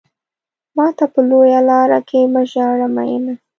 ماته په لويه لار کې مه ژاړه مينه.